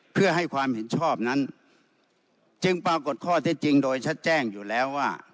เพื่อให้ความเห็นชอบนั้นจึงปรากฏข้อเท็จจริงโดยชัดแจ้งอยู่แล้วว่า